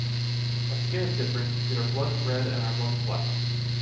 Our skin is different, yet our blood is red and our lungs black.